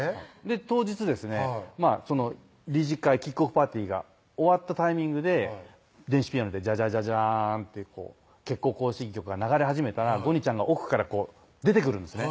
当日ですね理事会キックオフパーティーが終わったタイミングで電子ピアノで「ジャジャジャジャーンゴニちゃんが奥から出てくるんですね